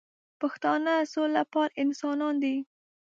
پښتانه سوله پال انسانان دي